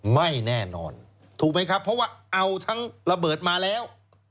ไม่แน่นอนถูกไหมครับเพราะว่าเอาทั้งระเบิดมาแล้ว